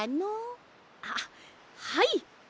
あっはい。